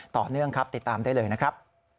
ต่อเนื่องครับติดตามได้เลยนะครับ